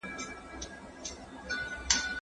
د مسیحي ټولنو حقوقي بنسټونه جوړ سول.